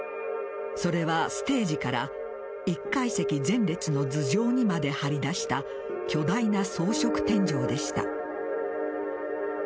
それはステージから１階席前列の頭上にまで張り出した巨大な装飾天井でした。